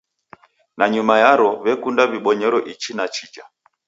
Nanyuma yaro w'ekunda w'ibonyero ichi na chija.